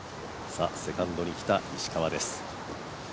セカンドに来た石川です。